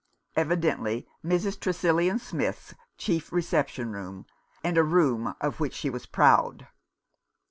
Evidently Mrs. Tresillian Smith's chief reception room, and a room of which she was proud.